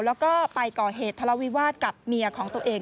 แล้วก็ไปก่อเหตุทะเลาวิวาสกับเมียของตัวเอง